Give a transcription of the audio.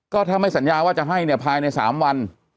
ก็ถ้าไม่สัญญาว่าจะให้เนี่ยภายใน๓วัน